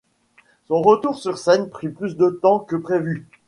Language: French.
Son retour sur scène prit plus de temps que prévu.